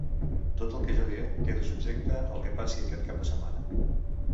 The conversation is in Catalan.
Tot el que jo diré, queda subjecte al què passi aquest cap de setmana.